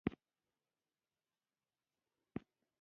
رمزي مالومات د ډیټا بیس بنسټ دی.